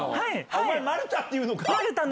お前丸田っていうのか！